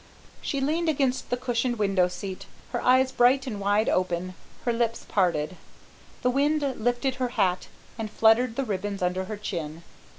She leaned against the cushioned window seat, her eyes bright and wide open, her lips parted. The wind lifted her hat, and fluttered the ribbons under her chin.